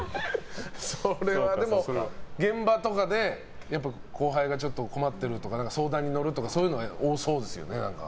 それは現場とかで後輩がちょっと困っているとか相談に乗るとかは多そうですよね。